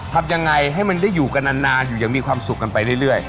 ทำยังไงให้มันได้อยู่กันนานอยู่อย่างมีความสุขกันไปเรื่อย